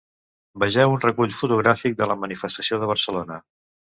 Vegeu un recull fotogràfic de la manifestació de Barcelona.